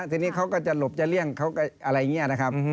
ทีนี้เขาก็จะหลบจะเลี่ยงเขาก็อะไรอย่างนี้นะครับ